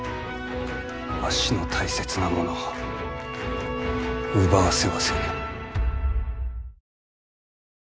わしの大切なものを奪わせはせぬ。